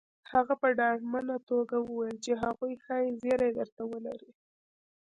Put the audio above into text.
هغه په ډاډمنه توګه وويل چې هغوی ښايي زيری درته ولري